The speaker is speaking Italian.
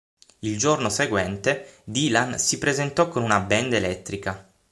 Il giorno seguente, Dylan si presentò con una band elettrica.